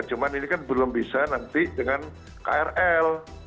cuma ini kan belum bisa nanti dengan krl